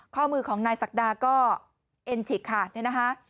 ข้อมือของนายศักดาก็เอ็นฉีกขาดเนี่ยนะคะ